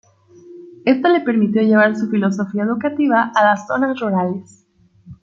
Esto le permitió llevar su filosofía educativa a las zonas rurales.